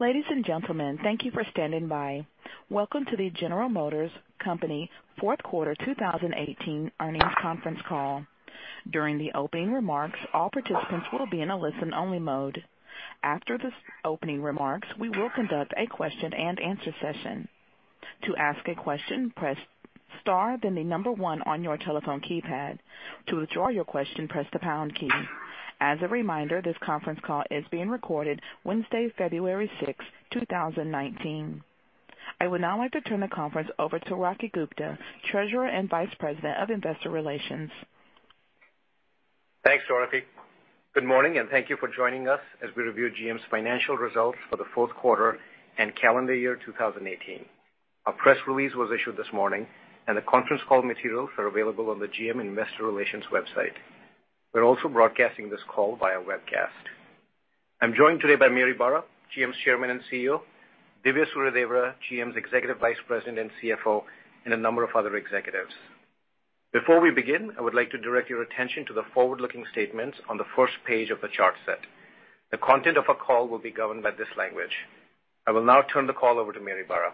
Ladies and gentlemen, thank you for standing by. Welcome to the General Motors Company fourth quarter 2018 earnings conference call. During the opening remarks, all participants will be in a listen-only mode. After this opening remarks, we will conduct a question-and-answer session. To ask a question, press star, then the number one on your telephone keypad. To withdraw your question, press the pound key. As a reminder, this conference call is being recorded Wednesday, February 6, 2019. I would now like to turn the conference over to Rocky Gupta, Treasurer and Vice President of Investor Relations. Thanks, Dorothy. Good morning, and thank you for joining us as we review GM's financial results for the fourth quarter and calendar year 2018. A press release was issued this morning, and the conference call materials are available on the GM investor relations website. We are also broadcasting this call via webcast. I am joined today by Mary Barra, GM's Chairman and CEO, Dhivya Suryadevara, GM's Executive Vice President and CFO, and a number of other executives. Before we begin, I would like to direct your attention to the forward-looking statements on the first page of the chart set. The content of our call will be governed by this language. I will now turn the call over to Mary Barra.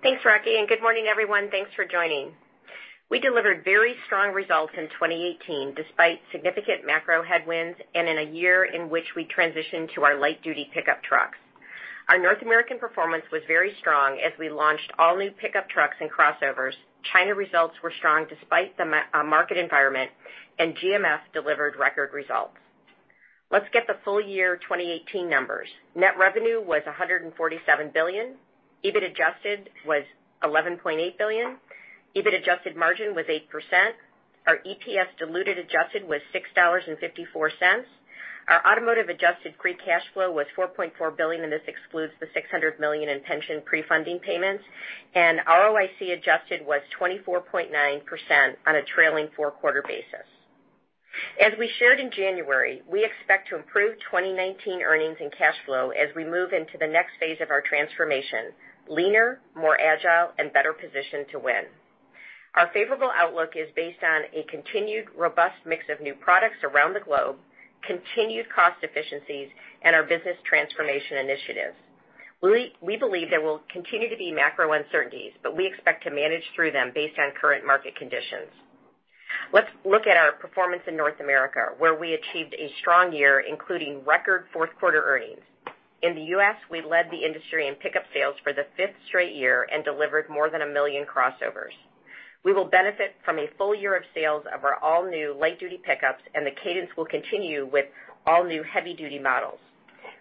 Thanks, Rocky, and good morning, everyone. Thanks for joining. We delivered very strong results in 2018 despite significant macro headwinds and in a year in which we transitioned to our light duty pickup trucks. Our North American performance was very strong as we launched all new pickup trucks and crossovers. China results were strong despite the market environment, and GMS delivered record results. Let's get the full year 2018 numbers. Net revenue was $147 billion. EBIT adjusted was $11.8 billion. EBIT adjusted margin was 8%. Our EPS diluted adjusted was $6.54. Our automotive adjusted free cash flow was $4.4 billion, and this excludes the $600 million in pension pre-funding payments. ROIC adjusted was 24.9% on a trailing four-quarter basis. As we shared in January, we expect to improve 2019 earnings and cash flow as we move into the next phase of our transformation, leaner, more agile, and better positioned to win. Our favorable outlook is based on a continued robust mix of new products around the globe, continued cost efficiencies, and our business transformation initiatives. We believe there will continue to be macro uncertainties, but we expect to manage through them based on current market conditions. Let's look at our performance in North America, where we achieved a strong year, including record fourth quarter earnings. In the U.S., we led the industry in pickup sales for the fifth straight year and delivered more than a million crossovers. We will benefit from a full year of sales of our all-new light duty pickups, and the cadence will continue with all new heavy-duty models.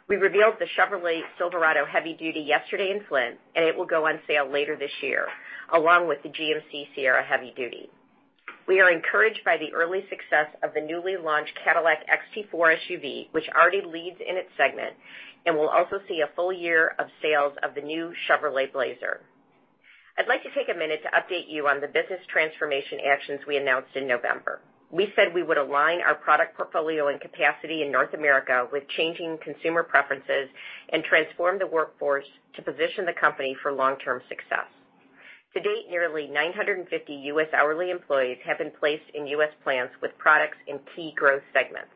We revealed the Chevrolet Silverado heavy duty yesterday in Flint. It will go on sale later this year, along with the GMC Sierra Heavy Duty. We are encouraged by the early success of the newly launched Cadillac XT4 SUV, which already leads in its segment. We'll also see a full year of sales of the new Chevrolet Blazer. I'd like to take a minute to update you on the business transformation actions we announced in November. We said we would align our product portfolio and capacity in North America with changing consumer preferences and transform the workforce to position the company for long-term success. To date, nearly 950 U.S. hourly employees have been placed in U.S. plants with products in key growth segments.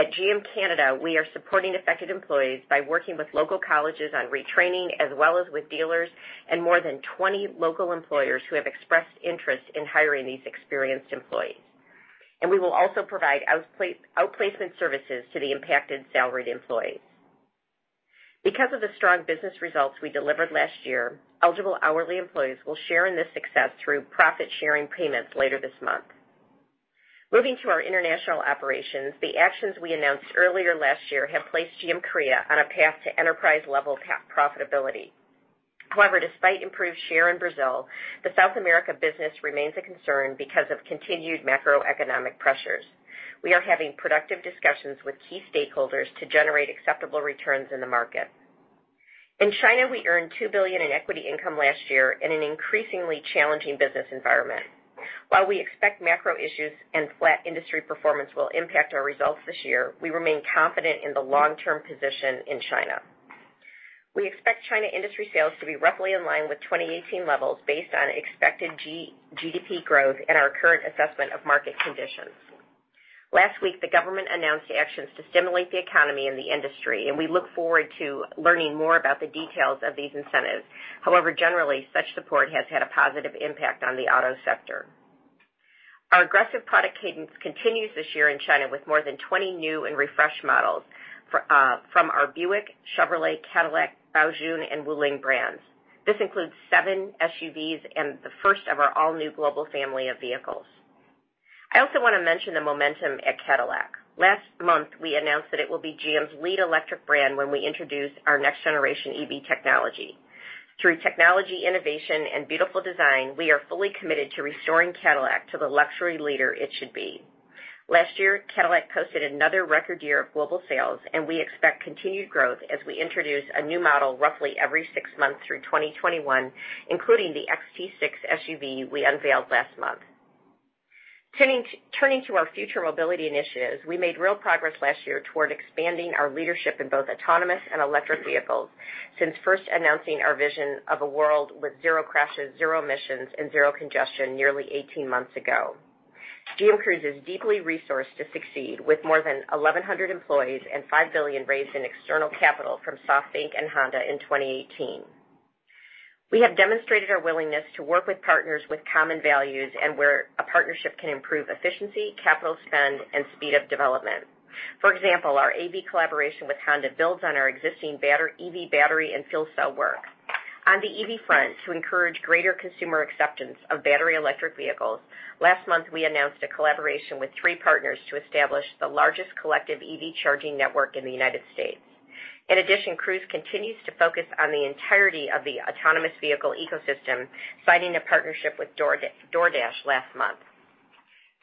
At GM Canada, we are supporting affected employees by working with local colleges on retraining, as well as with dealers and more than 20 local employers who have expressed interest in hiring these experienced employees. We will also provide outplacement services to the impacted salaried employees. Because of the strong business results we delivered last year, eligible hourly employees will share in this success through profit-sharing payments later this month. Moving to our international operations, the actions we announced earlier last year have placed GM Korea on a path to enterprise-level profitability. Despite improved share in Brazil, the South America business remains a concern because of continued macroeconomic pressures. We are having productive discussions with key stakeholders to generate acceptable returns in the market. In China, we earned $2 billion in equity income last year in an increasingly challenging business environment. While we expect macro issues and flat industry performance will impact our results this year, we remain confident in the long-term position in China. We expect China industry sales to be roughly in line with 2018 levels based on expected GDP growth and our current assessment of market conditions. Last week, the government announced actions to stimulate the economy and the industry. We look forward to learning more about the details of these incentives. Generally, such support has had a positive impact on the auto sector. Our aggressive product cadence continues this year in China with more than 20 new and refreshed models from our Buick, Chevrolet, Cadillac, Baojun, and Wuling brands. This includes seven SUVs and the first of our all-new global family of vehicles. I also want to mention the momentum at Cadillac. Last month, we announced that it will be GM's lead electric brand when we introduce our next generation EV technology. Through technology innovation and beautiful design, we are fully committed to restoring Cadillac to the luxury leader it should be. Last year, Cadillac posted another record year of global sales. We expect continued growth as we introduce a new model roughly every six months through 2021, including the XT6 SUV we unveiled last month. Turning to our future mobility initiatives, we made real progress last year toward expanding our leadership in both autonomous and electric vehicles since first announcing our vision of a world with zero crashes, zero emissions, and zero congestion nearly 18 months ago. GM Cruise is deeply resourced to succeed with more than 1,100 employees and $5 billion raised in external capital from SoftBank and Honda in 2018. We have demonstrated our willingness to work with partners with common values and where a partnership can improve efficiency, capital spend, and speed of development. For example, our AV collaboration with Honda builds on our existing EV battery and fuel cell work. On the EV front, to encourage greater consumer acceptance of battery electric vehicles, last month, we announced a collaboration with three partners to establish the largest collective EV charging network in the U.S. In addition, Cruise continues to focus on the entirety of the autonomous vehicle ecosystem, citing a partnership with DoorDash last month.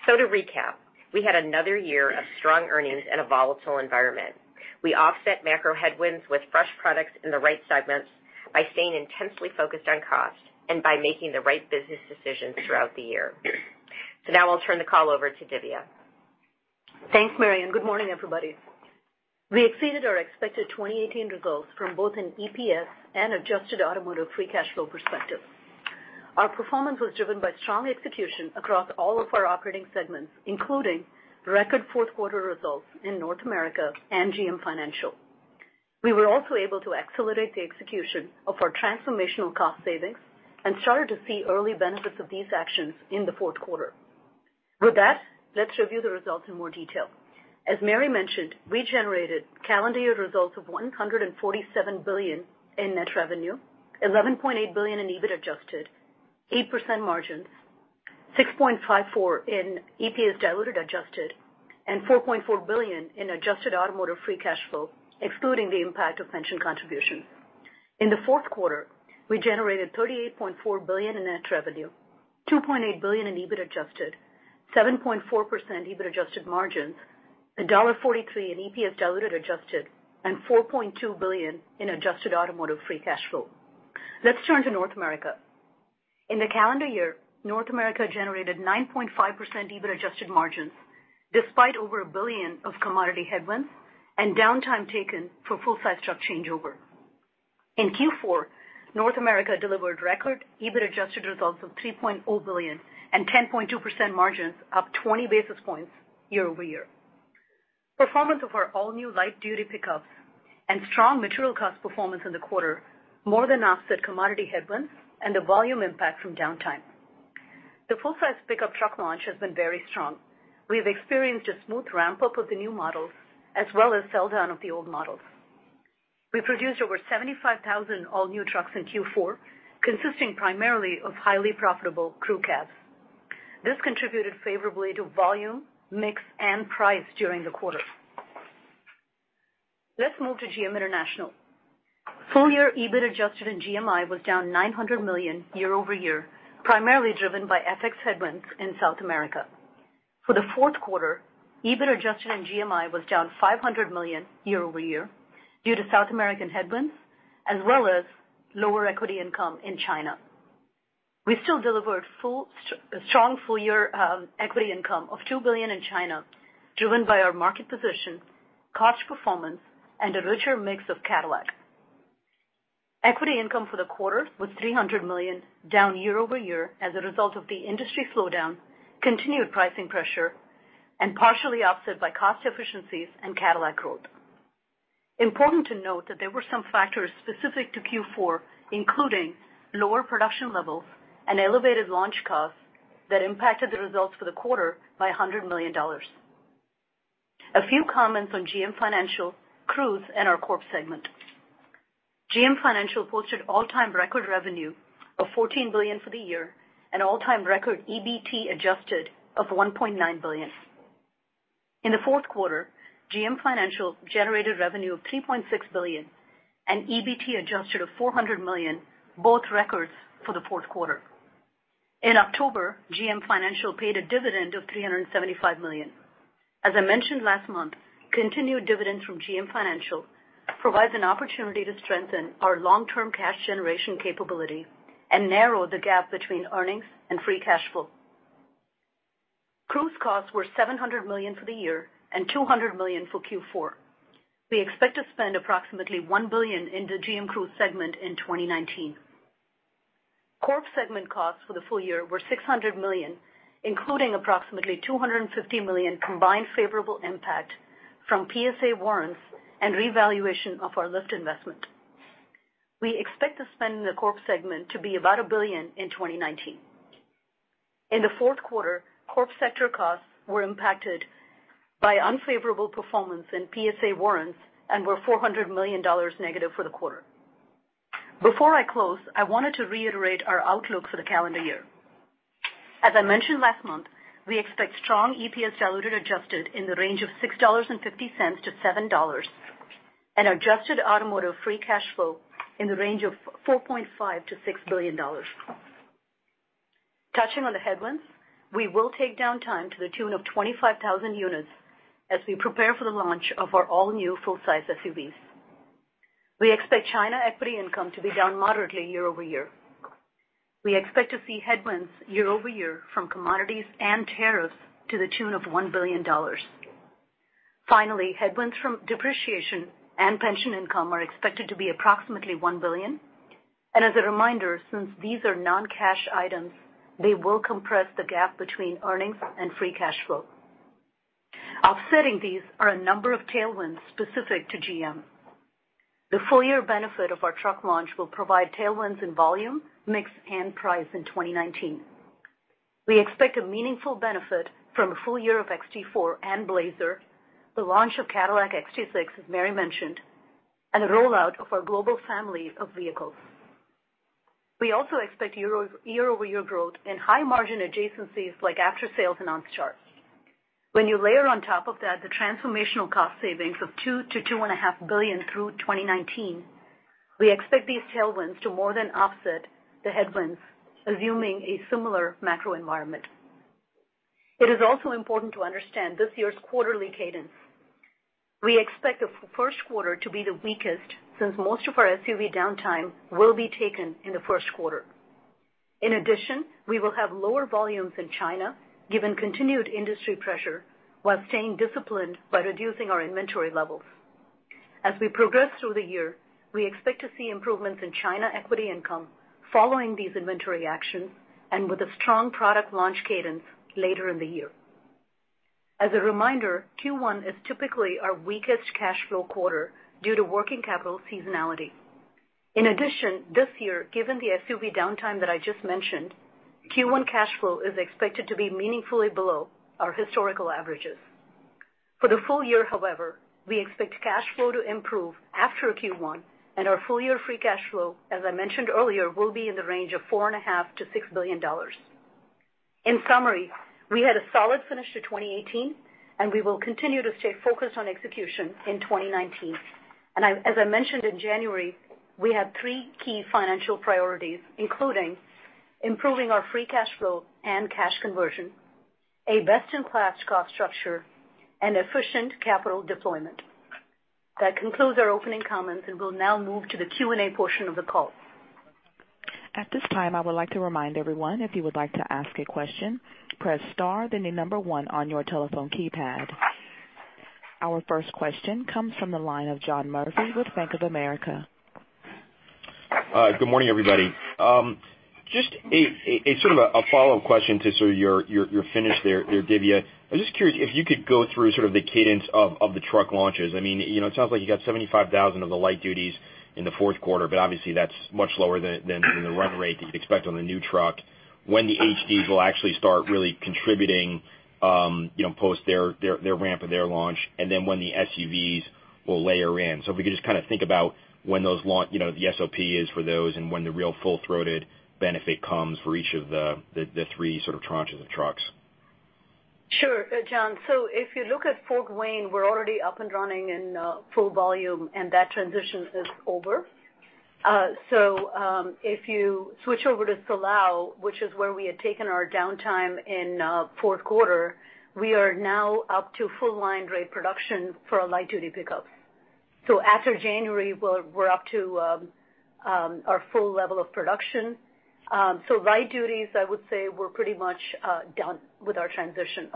To recap, we had another year of strong earnings in a volatile environment. We offset macro headwinds with fresh products in the right segments by staying intensely focused on cost and by making the right business decisions throughout the year. Now I'll turn the call over to Dhivya. Thanks, Mary. Good morning, everybody. We exceeded our expected 2018 results from both an EPS and adjusted automotive free cash flow perspective. Our performance was driven by strong execution across all of our operating segments, including record fourth quarter results in North America and GM Financial. We were also able to accelerate the execution of our transformational cost savings and started to see early benefits of these actions in the fourth quarter. With that, let's review the results in more detail. As Mary mentioned, we generated calendar year results of $147 billion in net revenue, $11.8 billion in EBIT adjusted, 8% margins, $6.54 in EPS diluted adjusted, and $4.4 billion in adjusted automotive free cash flow, excluding the impact of pension contributions. In the fourth quarter, we generated $38.4 billion in net revenue, $2.8 billion in EBIT adjusted, 7.4% EBIT adjusted margins, $1.43 in EPS diluted adjusted, and $4.2 billion in adjusted automotive free cash flow. Let's turn to North America. In the calendar year, North America generated 9.5% EBIT adjusted margins, despite over $1 billion of commodity headwinds and downtime taken for full-size truck changeover. In Q4, North America delivered record EBIT adjusted results of $3.0 billion and 10.2% margins up 20 basis points year-over-year. Performance of our all-new light duty pickups and strong material cost performance in the quarter more than offset commodity headwinds and the volume impact from downtime. The full-size pickup truck launch has been very strong. We have experienced a smooth ramp-up of the new models, as well as sell-down of the old models. We produced over 75,000 all-new trucks in Q4, consisting primarily of highly profitable crew cabs. This contributed favorably to volume, mix, and price during the quarter. Let's move to GM International. Full-year EBIT adjusted in GMI was down $900 million year-over-year, primarily driven by FX headwinds in South America. For the fourth quarter, EBIT adjusted in GMI was down $500 million year-over-year due to South American headwinds, as well as lower equity income in China. We still delivered strong full-year equity income of $2 billion in China, driven by our market position, cost performance, and a richer mix of Cadillac. Equity income for the quarter was $300 million, down year-over-year as a result of the industry slowdown, continued pricing pressure, and partially offset by cost efficiencies and Cadillac growth. Important to note that there were some factors specific to Q4, including lower production levels and elevated launch costs that impacted the results for the quarter by $100 million. A few comments on GM Financial, Cruise, and our Corporate segment. GM Financial posted all-time record revenue of $14 billion for the year and all-time record EBT adjusted of $1.9 billion. In the fourth quarter, GM Financial generated revenue of $3.6 billion and EBT adjusted of $400 million, both records for the fourth quarter. In October, GM Financial paid a dividend of $375 million. As I mentioned last month, continued dividends from GM Financial provides an opportunity to strengthen our long-term cash generation capability and narrow the gap between earnings and free cash flow. Cruise costs were $700 million for the year and $200 million for Q4. We expect to spend approximately $1 billion in the GM Cruise segment in 2019. Corporate segment costs for the full year were $600 million, including approximately $250 million combined favorable impact from PSA warrants and revaluation of our Lyft investment. We expect the spend in the Corp segment to be about $1 billion in 2019. In the fourth quarter, Corp sector costs were impacted by unfavorable performance in PSA warrants and were $400 million negative for the quarter. Before I close, I wanted to reiterate our outlook for the calendar year. As I mentioned last month, we expect strong EPS diluted adjusted in the range of $6.50 to $7, and adjusted automotive free cash flow in the range of $4.5 billion to $6 billion. Touching on the headwinds, we will take downtime to the tune of 25,000 units as we prepare for the launch of our all-new full-size SUVs. We expect China equity income to be down moderately year-over-year. We expect to see headwinds year-over-year from commodities and tariffs to the tune of $1 billion. Headwinds from depreciation and pension income are expected to be approximately $1 billion. As a reminder, since these are non-cash items, they will compress the gap between earnings and free cash flow. Offsetting these are a number of tailwinds specific to GM. The full-year benefit of our truck launch will provide tailwinds in volume, mix, and price in 2019. We expect a meaningful benefit from a full year of XT4 and Blazer, the launch of Cadillac XT6, as Mary mentioned, and the rollout of our global family of vehicles. We also expect year-over-year growth in high-margin adjacencies like after-sales and parts. When you layer on top of that the transformational cost savings of $2 billion to $2.5 billion through 2019, we expect these tailwinds to more than offset the headwinds, assuming a similar macro environment. It is also important to understand this year's quarterly cadence. We expect the first quarter to be the weakest, since most of our SUV downtime will be taken in the first quarter. In addition, we will have lower volumes in China, given continued industry pressure, while staying disciplined by reducing our inventory levels. As we progress through the year, we expect to see improvements in China equity income following these inventory actions and with a strong product launch cadence later in the year. As a reminder, Q1 is typically our weakest cash flow quarter due to working capital seasonality. In addition, this year, given the SUV downtime that I just mentioned, Q1 cash flow is expected to be meaningfully below our historical averages. For the full year, however, we expect cash flow to improve after Q1, and our full-year free cash flow, as I mentioned earlier, will be in the range of $4.5 billion-$6 billion. In summary, we had a solid finish to 2018, we will continue to stay focused on execution in 2019. As I mentioned in January, we have three key financial priorities, including improving our free cash flow and cash conversion, a best-in-class cost structure, and efficient capital deployment. That concludes our opening comments, and we'll now move to the Q&A portion of the call. At this time, I would like to remind everyone, if you would like to ask a question, press star, then the number one on your telephone keypad. Our first question comes from the line of John Murphy with Bank of America. Good morning, everybody. Just a follow-up question to sort of your finish there, Dhivya. I'm just curious if you could go through sort of the cadence of the truck launches. It sounds like you got 75,000 of the light duties in the fourth quarter, but obviously that's much lower than the run rate that you'd expect on the new truck. When the HDs will actually start really contributing, post their ramp of their launch, and then when the SUVs will layer in. If we could just kind of think about when the SOP is for those and when the real full-throated benefit comes for each of the three sort of tranches of trucks. Sure, John. If you look at Fort Wayne, we're already up and running in full volume, and that transition is over. If you switch over to Silao Assembly, which is where we had taken our downtime in fourth quarter, we are now up to full line rate production for our light-duty pickups. After January, we're up to our full level of production. Light duties, I would say, we're pretty much done with our transition.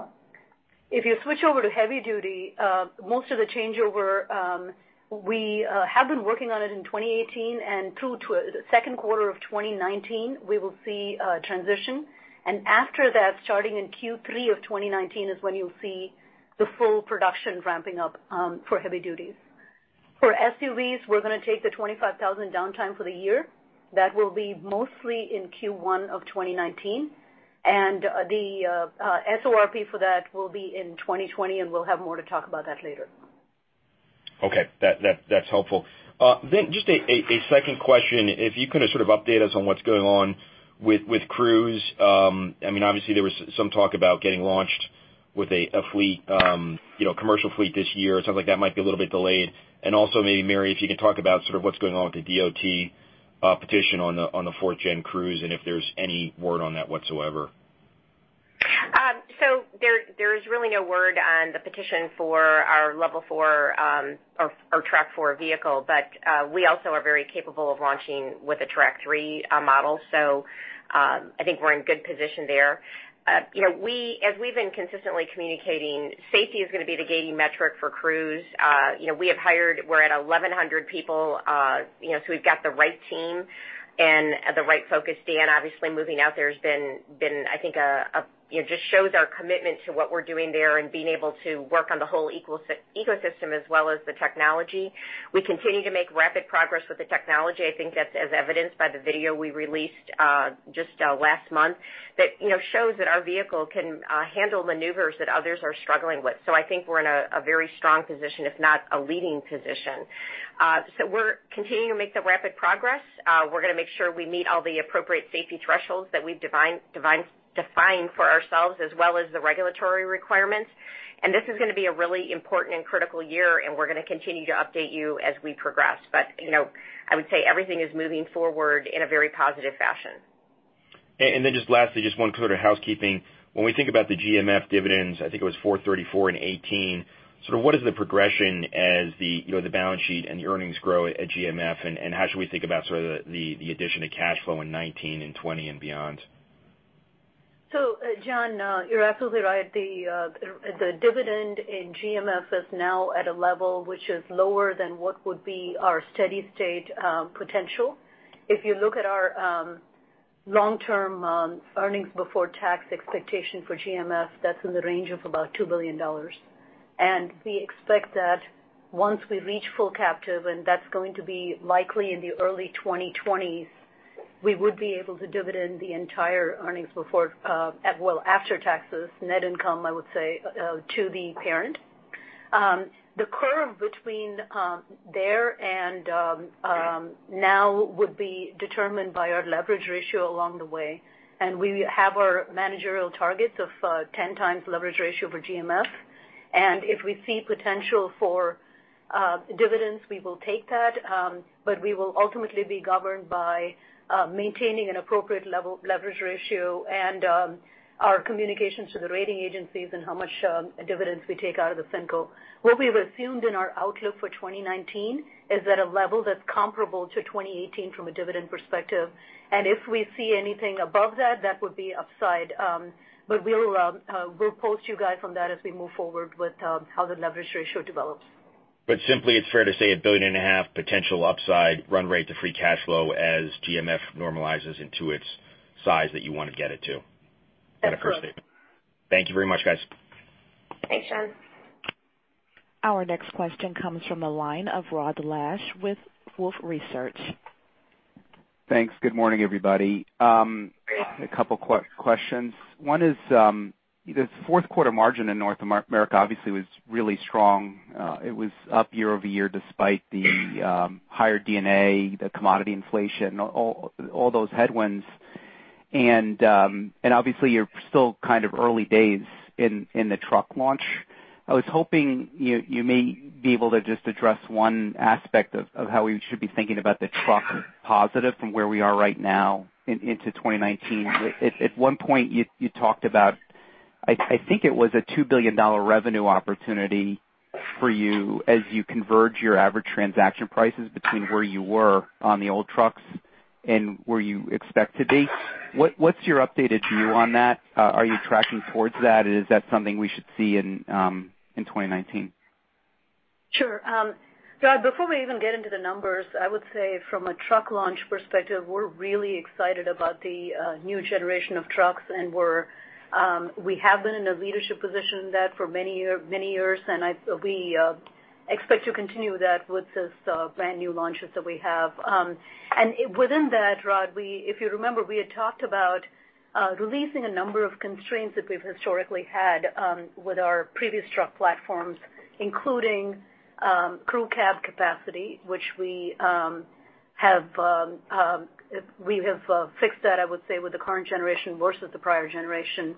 If you switch over to heavy duty, most of the changeover, we have been working on it in 2018, and through to second quarter of 2019, we will see a transition. After that, starting in Q3 of 2019 is when you'll see the full production ramping up for heavy duties. For SUVs, we're going to take the 25,000 downtime for the year. That will be mostly in Q1 of 2019. The SOP for that will be in 2020, and we'll have more to talk about that later. Okay. That's helpful. Just a second question. If you could just sort of update us on what's going on with Cruise. Obviously, there was some talk about getting launched with a fleet, commercial fleet this year. It sounds like that might be a little bit delayed. Also maybe Mary, if you could talk about sort of what's going on with the DOT petition on the fourth-gen Cruise and if there's any word on that whatsoever. There's really no word on the petition for our Level 4 or Track 4 vehicle, but we also are very capable of launching with a Track 3 model. I think we're in good position there. As we've been consistently communicating, safety is going to be the gating metric for Cruise. We have hired, we're at 1,100 people, so we've got the right team and the right focus. Dan obviously moving out there has been, I think just shows our commitment to what we're doing there and being able to work on the whole ecosystem as well as the technology. We continue to make rapid progress with the technology. I think that's as evidenced by the video we released just last month that shows that our vehicle can handle maneuvers that others are struggling with. I think we're in a very strong position, if not a leading position. We're continuing to make the rapid progress. We're going to make sure we meet all the appropriate safety thresholds that we've defined for ourselves, as well as the regulatory requirements. This is going to be a really important and critical year, and we're going to continue to update you as we progress. I would say everything is moving forward in a very positive fashion. Lastly, just one sort of housekeeping. When we think about the GMF dividends, I think it was $434 in 2018, what is the progression as the balance sheet and the earnings grow at GMF, and how should we think about the addition to cash flow in 2019 and 2020 and beyond? John, you're absolutely right. The dividend in GMF is now at a level which is lower than what would be our steady state potential. If you look at our long-term earnings before tax expectation for GMF, that's in the range of about $2 billion. We expect that once we reach full captive, and that's going to be likely in the early 2020s, we would be able to dividend the entire after taxes, net income, I would say, to the parent. The curve between there and now would be determined by our leverage ratio along the way, and we have our managerial targets of 10 times leverage ratio for GMF. If we see potential for dividends, we will take that, but we will ultimately be governed by maintaining an appropriate leverage ratio and our communications to the rating agencies and how much dividends we take out of the FinCo. What we've assumed in our outlook for 2019 is at a level that's comparable to 2018 from a dividend perspective. If we see anything above that would be upside. We'll post you guys on that as we move forward with how the leverage ratio develops. Simply it's fair to say a billion and a half potential upside run rate to free cash flow as GMF normalizes into its size that you want to get it to. That's correct. Thank you very much, guys. Thanks, John. Our next question comes from the line of Rod Lache with Wolfe Research. Thanks. Good morning, everybody. Good morning. A couple questions. One is, this fourth quarter margin in North America obviously was really strong. It was up year-over-year despite the higher D&A, the commodity inflation, all those headwinds. Obviously you're still kind of early days in the truck launch. I was hoping you may be able to just address one aspect of how we should be thinking about the truck positive from where we are right now into 2019. At one point, you talked about, I think it was a $2 billion revenue opportunity for you as you converge your average transaction prices between where you were on the old trucks and where you expect to be. What's your updated view on that? Are you tracking towards that? Is that something we should see in 2019? Sure. Rod, before we even get into the numbers, I would say from a truck launch perspective, we're really excited about the new generation of trucks, and we have been in a leadership position in that for many years, and we expect to continue that with these brand new launches that we have. Within that, Rod, if you remember, we had talked about releasing a number of constraints that we've historically had with our previous truck platforms, including crew cab capacity, which we have fixed that, I would say, with the current generation versus the prior generation.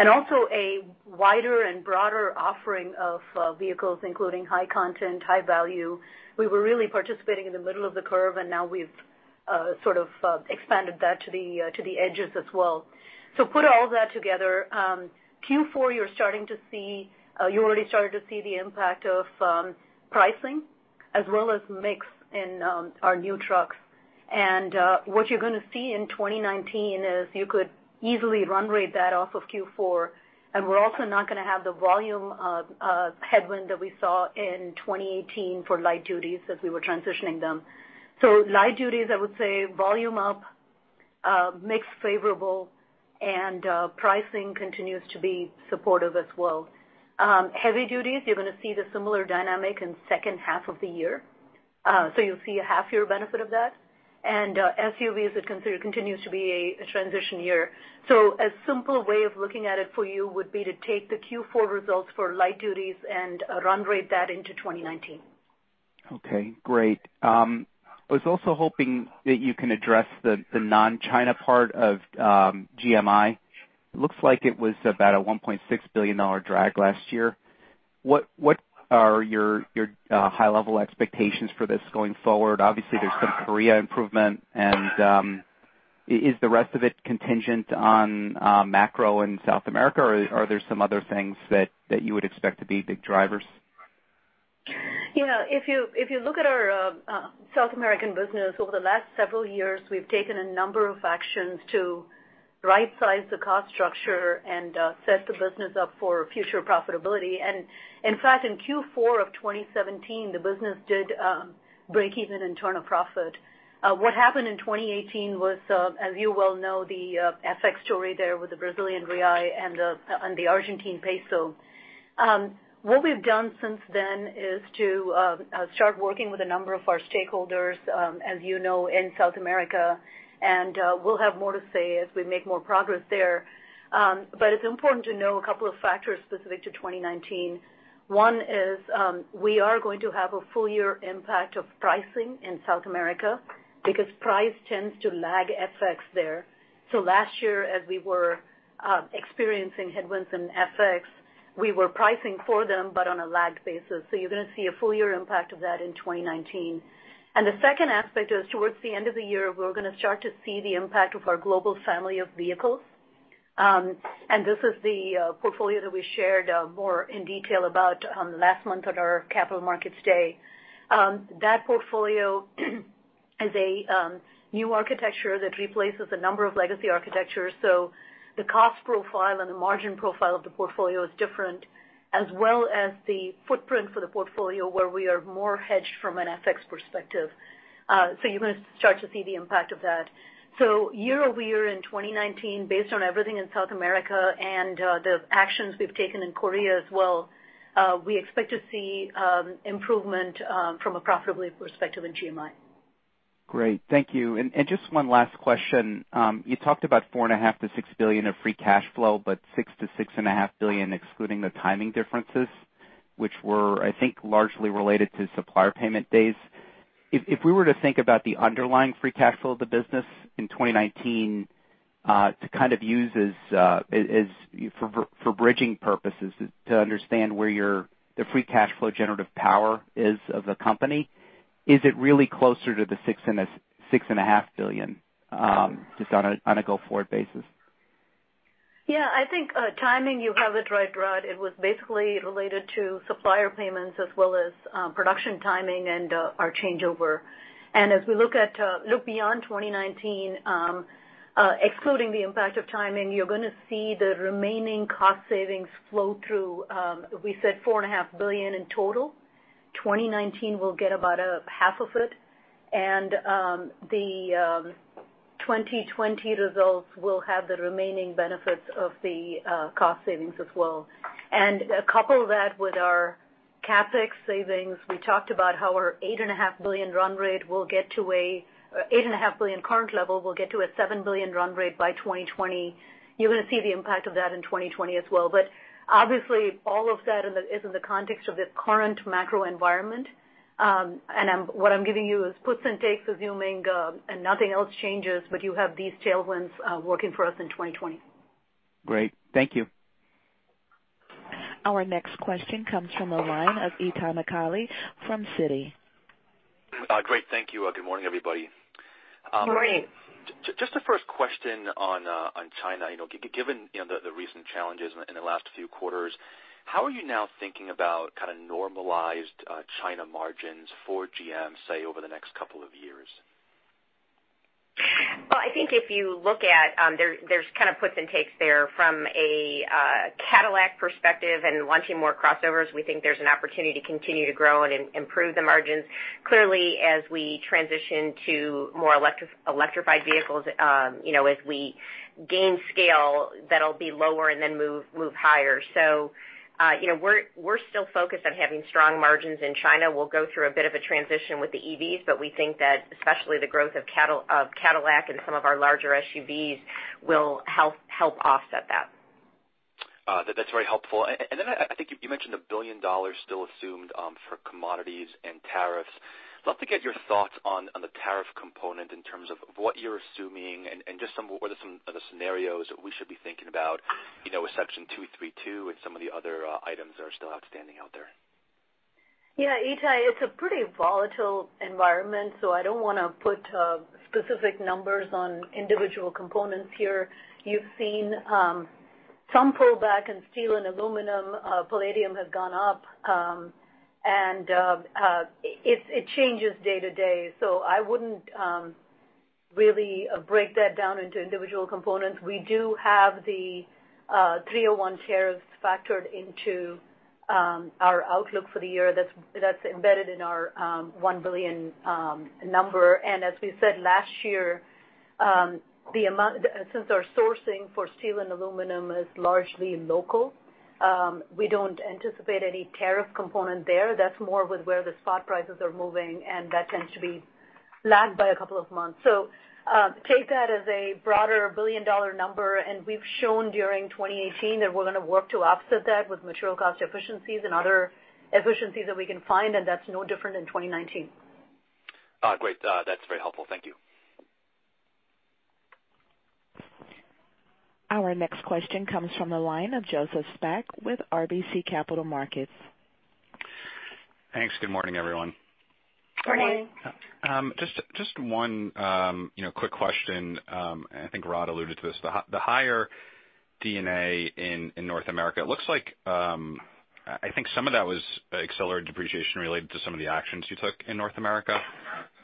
Also a wider and broader offering of vehicles, including high content, high value. We were really participating in the middle of the curve, and now we've sort of expanded that to the edges as well. Put all that together, Q4, you already started to see the impact of pricing as well as mix in our new trucks. What you're gonna see in 2019 is you could easily run rate that off of Q4, and we're also not gonna have the volume of headwind that we saw in 2018 for light duties as we were transitioning them. Light duties, I would say volume up, mix favorable, and pricing continues to be supportive as well. Heavy duties, you're gonna see the similar dynamic in second half of the year. You'll see a half year benefit of that. SUVs continues to be a transition year. A simple way of looking at it for you would be to take the Q4 results for light duties and run rate that into 2019. Okay, great. I was also hoping that you can address the non-China part of GMI. It looks like it was about a $1.6 billion drag last year. What are your high level expectations for this going forward? Obviously, there's some Korea improvement. Is the rest of it contingent on macro in South America, or are there some other things that you would expect to be big drivers? If you look at our South American business over the last several years, we've taken a number of actions to right size the cost structure and set the business up for future profitability. In fact, in Q4 of 2017, the business did break even and turn a profit. What happened in 2018 was, as you well know, the FX story there with the Brazilian real and the Argentine peso. What we've done since then is to start working with a number of our stakeholders, as you know, in South America, and we'll have more to say as we make more progress there. It's important to know a couple of factors specific to 2019. One is, we are going to have a full year impact of pricing in South America because price tends to lag FX there. Last year, as we were experiencing headwinds in FX, we were pricing for them, but on a lagged basis. You're gonna see a full year impact of that in 2019. The second aspect is towards the end of the year, we're gonna start to see the impact of our global family of vehicles. This is the portfolio that we shared more in detail about last month at our Capital Markets Day. That portfolio is a new architecture that replaces a number of legacy architectures. The cost profile and the margin profile of the portfolio is different, as well as the footprint for the portfolio, where we are more hedged from an FX perspective. You're going to start to see the impact of that. year-over-year in 2019, based on everything in South America and the actions we've taken in Korea as well, we expect to see improvement from a profitability perspective in GMI. Great, thank you. Just one last question. You talked about $4.5 billion-$6 billion of free cash flow, but $6 billion-$6.5 billion excluding the timing differences, which were, I think, largely related to supplier payment days. If we were to think about the underlying free cash flow of the business in 2019, to kind of use as for bridging purposes to understand where the free cash flow generative power is of the company, is it really closer to the $6.5 billion, just on a go-forward basis? Yeah, I think timing you have it right, Rod. It was basically related to supplier payments as well as production timing and our changeover. As we look beyond 2019, excluding the impact of timing, you're going to see the remaining cost savings flow through, we said $4.5 billion in total. 2019 will get about half of it. The 2020 results will have the remaining benefits of the cost savings as well. Couple that with our CapEx savings. We talked about how our $8.5 billion current level will get to a $7 billion run rate by 2020. You're going to see the impact of that in 2020 as well. Obviously, all of that is in the context of the current macro environment. What I'm giving you is puts and takes assuming, and nothing else changes, but you have these tailwinds working for us in 2020. Great. Thank you. Our next question comes from the line of Itay Michaeli from Citi. Great. Thank you. Good morning, everybody. Good morning. Just the first question on China. Given the recent challenges in the last few quarters, how are you now thinking about kind of normalized China margins for GM, say, over the next couple of years? I think if you look at, there's kind of puts and takes there from a Cadillac perspective and launching more crossovers. We think there's an opportunity to continue to grow and improve the margins. Clearly, as we transition to more electrified vehicles, as we gain scale, that'll be lower and then move higher. We're still focused on having strong margins in China. We'll go through a bit of a transition with the EVs, but we think that especially the growth of Cadillac and some of our larger SUVs will help offset that. That's very helpful. I think you mentioned $1 billion still assumed for commodities and tariffs. Love to get your thoughts on the tariff component in terms of what you're assuming and just what are some of the scenarios we should be thinking about, with Section 232 and some of the other items that are still outstanding out there. Itay, it's a pretty volatile environment, I don't want to put specific numbers on individual components here. You've seen some pullback in steel and aluminum. Palladium has gone up. It changes day to day. I wouldn't really break that down into individual components. We do have the Section 301 tariffs factored into our outlook for the year, that's embedded in our $1 billion number. As we said last year, since our sourcing for steel and aluminum is largely local, we don't anticipate any tariff component there. That's more with where the spot prices are moving, and that tends to be lagged by a couple of months. Take that as a broader $1 billion number, and we've shown during 2018 that we're going to work to offset that with material cost efficiencies and other efficiencies that we can find, and that's no different in 2019. Great. That's very helpful. Thank you. Our next question comes from the line of Joseph Spak with RBC Capital Markets. Thanks. Good morning, everyone. Morning. Morning. Just one quick question. I think Rod alluded to this. The higher D&A in North America, it looks like, I think some of that was accelerated depreciation related to some of the actions you took in North America.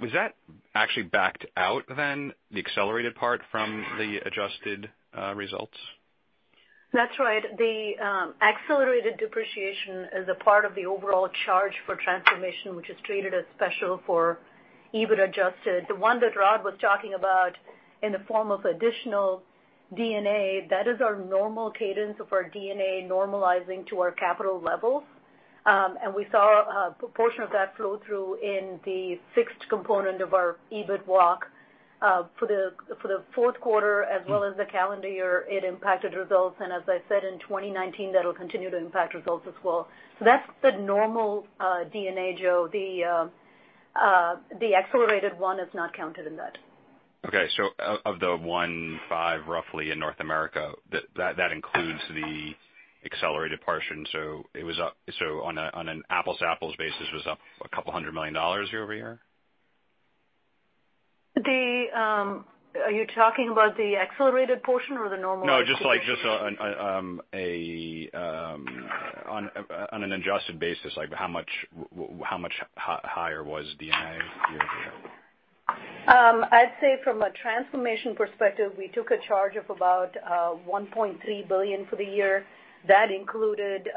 Was that actually backed out then, the accelerated part from the adjusted results? That's right. The accelerated depreciation is a part of the overall charge for transformation, which is treated as special for EBIT adjusted. The one that Rod was talking about in the form of additional D&A, that is our normal cadence of our D&A normalizing to our capital levels. We saw a proportion of that flow through in the fixed component of our EBIT walk for the fourth quarter, as well as the calendar year, it impacted results, and as I said, in 2019, that'll continue to impact results as well. That's the normal D&A, Joseph. The accelerated one is not counted in that. Okay. Of the $1.5 roughly in North America, that includes the accelerated portion. On an apples-to-apples basis, it was up $200 million year-over-year? Are you talking about the accelerated portion or the normal? Just on an adjusted basis, how much higher was D&A year-over-year? I'd say from a transformation perspective, we took a charge of about $1.3 billion for the year. That included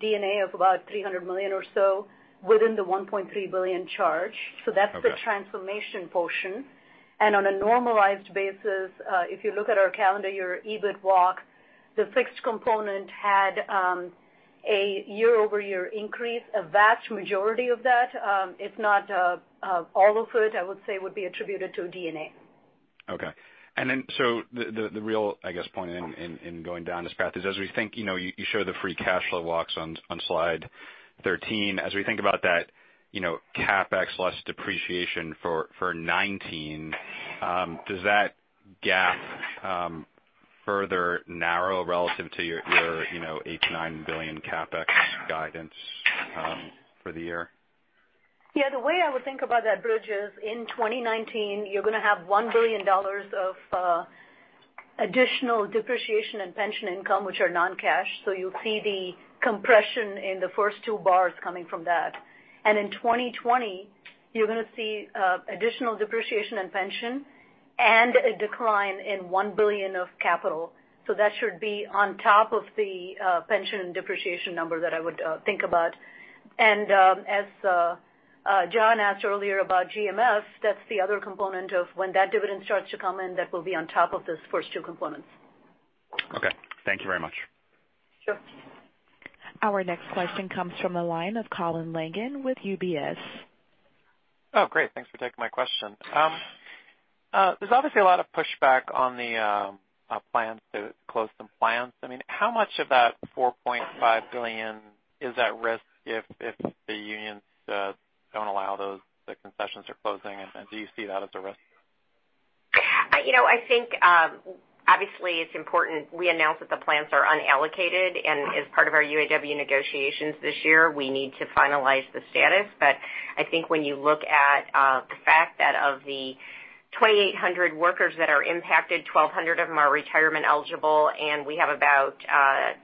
D&A of about $300 million or so within the $1.3 billion charge. Okay. That's the transformation portion. On a normalized basis, if you look at our calendar year EBIT walk, the fixed component had a year-over-year increase. A vast majority of that, if not all of it, I would say, would be attributed to D&A. Okay. The real point in going down this path is as we think, you show the free cash flow walks on slide 13. As we think about that CapEx less depreciation for 2019, does that gap further narrow relative to your $8 billion-$9 billion CapEx guidance for the year? Yeah, the way I would think about that bridge is in 2019, you're going to have $1 billion of additional depreciation and pension income, which are non-cash. You'll see the compression in the first two bars coming from that. In 2020, you're going to see additional depreciation in pension and a decline in $1 billion of capital. That should be on top of the pension and depreciation number that I would think about. As John asked earlier about GMS, that's the other component of when that dividend starts to come in, that will be on top of those first two components. Okay. Thank you very much. Sure. Our next question comes from the line of Colin Langan with UBS. Oh, great, thanks for taking my question. There's obviously a lot of pushback on the plans to close some plants. How much of that $4.5 billion is at risk if the unions don't allow the concessions or closing, and do you see that as a risk? I think obviously it's important we announce that the plants are unallocated, and as part of our UAW negotiations this year, we need to finalize the status. I think when you look at the fact that of the 2,800 workers that are impacted, 1,200 of them are retirement eligible, and we have about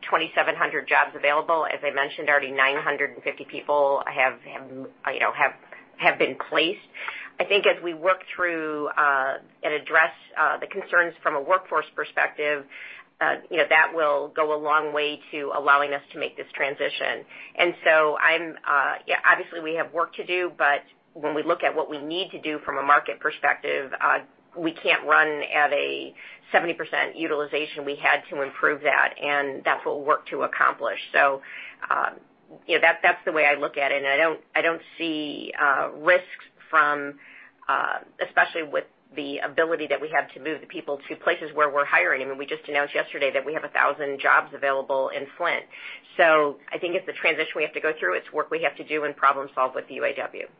2,700 jobs available. As I mentioned already, 950 people have been placed. I think as we work through and address the concerns from a workforce perspective, that will go a long way to allowing us to make this transition. Obviously we have work to do, but when we look at what we need to do from a market perspective, we can't run at a 70% utilization. We had to improve that, and that's what we'll work to accomplish. That's the way I look at it, and I don't see risks from, especially with the ability that we have to move the people to places where we're hiring them. We just announced yesterday that we have 1,000 jobs available in Flint Assembly. I think it's a transition we have to go through. It's work we have to do and problem solve with the UAW.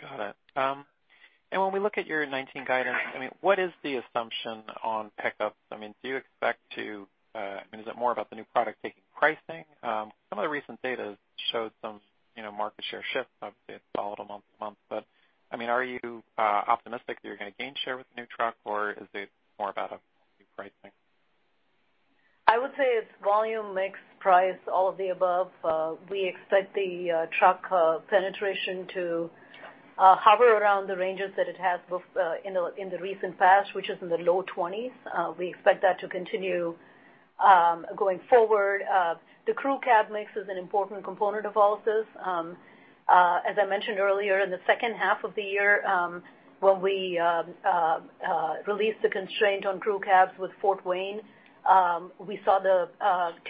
Got it. When we look at your 2019 guidance, what is the assumption on pickups? Is it more about the new product taking pricing? Some of the recent data showed some market share shift. Obviously, it's volatile month-to-month. Are you optimistic that you're going to gain share with the new truck, or is it more about a new pricing? I would say it's volume, mix, price, all of the above. We expect the truck penetration to hover around the ranges that it has in the recent past, which is in the low 20s. We expect that to continue going forward. The crew cab mix is an important component of all of this. As I mentioned earlier, in the second half of the year, when we released the constraint on crew cabs with Fort Wayne, we saw the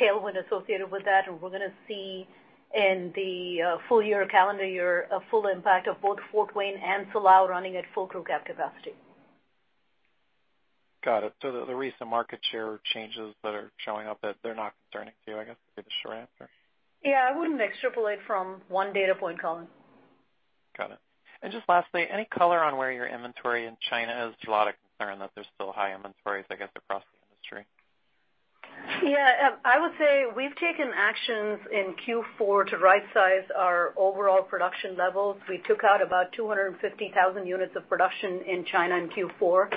tailwind associated with that, and we're going to see in the full year calendar year a full impact of both Fort Wayne and Silao running at full crew cab capacity. Got it. The recent market share changes that are showing up, they're not concerning to you, I guess, would be the short answer. Yeah, I wouldn't extrapolate from one data point, Colin. Got it. Just lastly, any color on where your inventory in China is? There is a lot of concern that there is still high inventories, I guess, across the industry. Yeah. I would say we have taken actions in Q4 to rightsize our overall production levels. We took out about 250,000 units of production in China in Q4.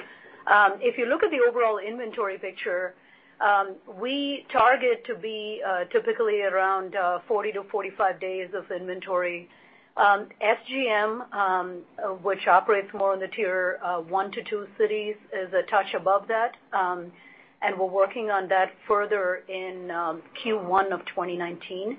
If you look at the overall inventory picture, we target to be typically around 40-45 days of inventory. SAIC-GM-Wuling, which operates more in the tier one to two cities, is a touch above that, and we are working on that further in Q1 of 2019.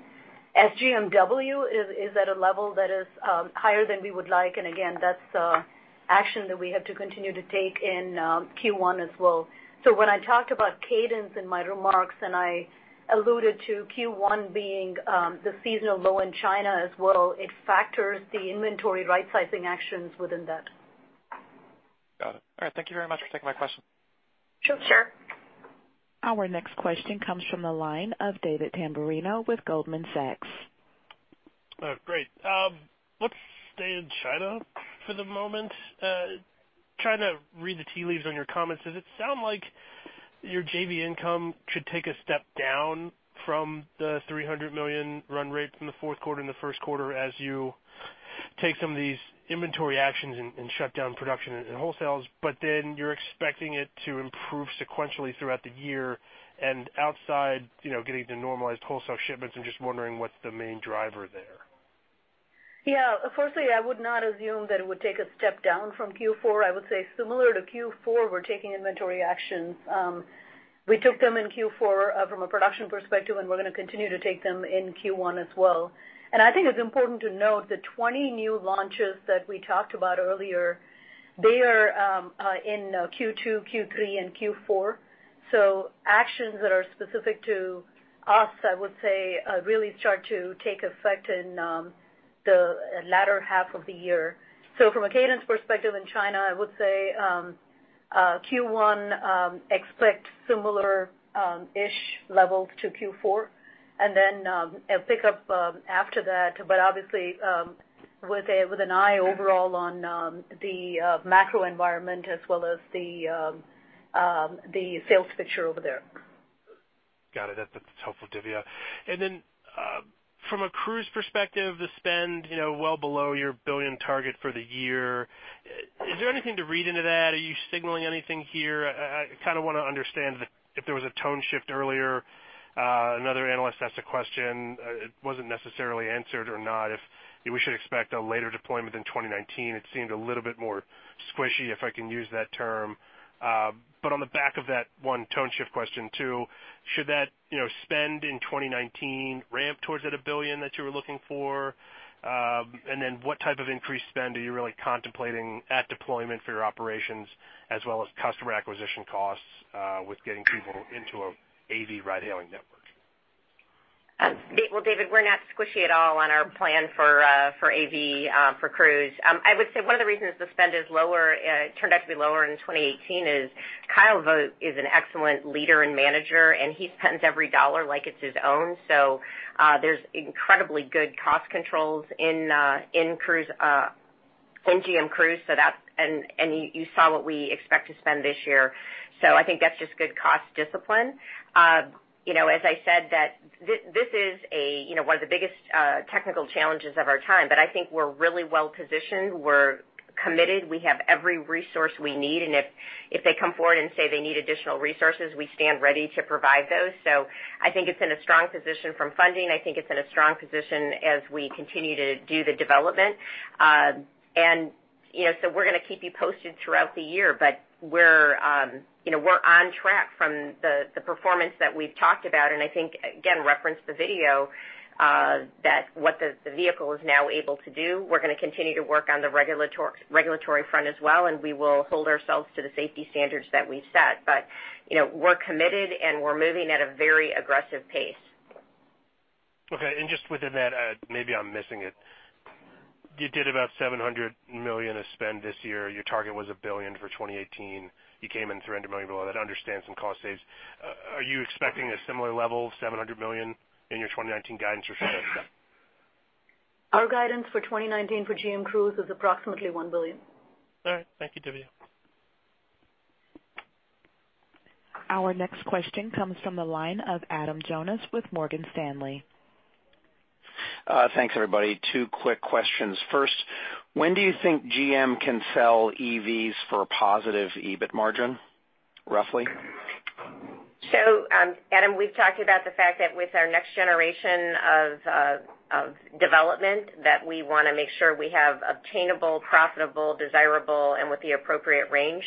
SAIC-GM-Wuling is at a level that is higher than we would like, and again, that is action that we have to continue to take in Q1 as well. When I talked about cadence in my remarks, and I alluded to Q1 being the seasonal low in China as well, it factors the inventory rightsizing actions within that. Got it. All right. Thank you very much for taking my question. Sure. Our next question comes from the line of David Tamberrino with Goldman Sachs. Oh, great. Let's stay in China for the moment. Trying to read the tea leaves on your comments. Does it sound like your JV income should take a step down from the $300 million run rate from the fourth quarter and the first quarter as you take some of these inventory actions and shut down production in wholesale, but then you're expecting it to improve sequentially throughout the year and outside getting to normalized wholesale shipments? I'm just wondering what's the main driver there. Yeah. Firstly, I would not assume that it would take a step down from Q4. I would say similar to Q4, we're taking inventory actions. We took them in Q4 from a production perspective, and we're going to continue to take them in Q1 as well. I think it's important to note the 20 new launches that we talked about earlier, they are in Q2, Q3, and Q4. Actions that are specific to us, I would say, really start to take effect in the latter half of the year. From a cadence perspective in China, I would say Q1 expect similar-ish levels to Q4, and then a pick up after that, but obviously with an eye overall on the macro environment as well as the sales picture over there. Got it. That's helpful, Dhivya. From a Cruise perspective, the spend well below your $1 billion target for the year. Is there anything to read into that? Are you signaling anything here? I kind of want to understand if there was a tone shift earlier. Another analyst asked a question, it wasn't necessarily answered or not, if we should expect a later deployment in 2019. It seemed a little bit more squishy, if I can use that term. On the back of that one tone shift question too, should that spend in 2019 ramp towards that $1 billion that you were looking for? What type of increased spend are you really contemplating at deployment for your operations as well as customer acquisition costs with getting people into an AV ride-hailing network? Well, David, we're not squishy at all on our plan for AV for Cruise. I would say one of the reasons the spend turned out to be lower in 2018 is Kyle Vogt is an excellent leader and manager, and he spends every dollar like it's his own. There's incredibly good cost controls in GM Cruise, and you saw what we expect to spend this year. I think that's just good cost discipline. As I said that this is one of the biggest technical challenges of our time, but I think we're really well-positioned. We're committed. We have every resource we need, and if they come forward and say they need additional resources, we stand ready to provide those. I think it's in a strong position from funding. I think it's in a strong position as we continue to do the development. We're going to keep you posted throughout the year, but we're on track from the performance that we've talked about, I think, again, reference the video that what the vehicle is now able to do. We're going to continue to work on the regulatory front as well, we will hold ourselves to the safety standards that we've set. We're committed, we're moving at a very aggressive pace. Okay. Just within that, maybe I'm missing it. You did about $700 million of spend this year. Your target was $1 billion for 2018. You came in $300 million below that. I understand some cost saves. Are you expecting a similar level, $700 million, in your 2019 guidance or should I expect that? Our guidance for 2019 for GM Cruise is approximately $1 billion. All right. Thank you, Dhivya. Our next question comes from the line of Adam Jonas with Morgan Stanley. Thanks, everybody. Two quick questions. First, when do you think GM can sell EVs for a positive EBIT margin, roughly? Adam, we've talked about the fact that with our next generation of development that we want to make sure we have obtainable, profitable, desirable, and with the appropriate range.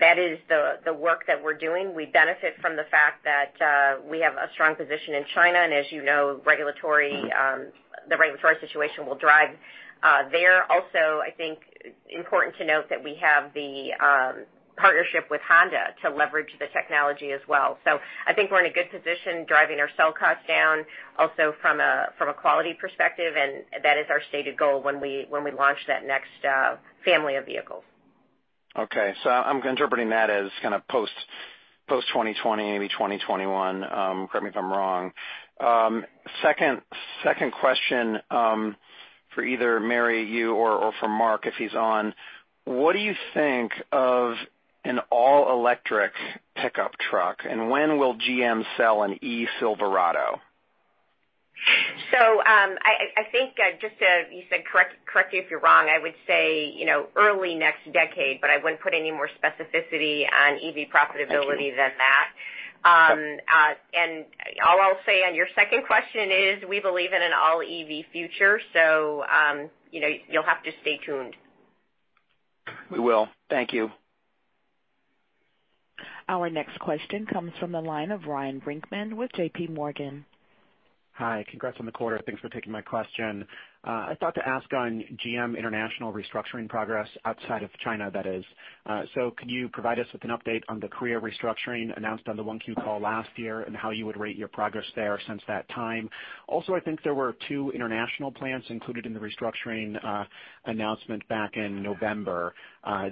That is the work that we're doing. We benefit from the fact that we have a strong position in China, and as you know the regulatory situation will drive there. Also, I think important to note that we have the partnership with Honda to leverage the technology as well. I think we're in a good position driving our cell costs down also from a quality perspective, and that is our stated goal when we launch that next family of vehicles. I'm interpreting that as kind of post 2020, maybe 2021. Correct me if I'm wrong. Second question for either Mary, you, or for Mark, if he's on. What do you think of an all-electric pickup truck, and when will GM sell an Chevrolet Silverado EV? I think just to, you said correct you if you're wrong, I would say early next decade, but I wouldn't put any more specificity on EV profitability than that. Thank you. All I'll say on your second question is we believe in an all-EV future, you'll have to stay tuned. We will. Thank you. Our next question comes from the line of Ryan Brinkman with JPMorgan. Hi. Congrats on the quarter. Thanks for taking my question. I thought to ask on GM International restructuring progress outside of China, that is. Could you provide us with an update on the Korea restructuring announced on the Q1 call last year and how you would rate your progress there since that time? Also, I think there were two international plants included in the restructuring announcement back in November.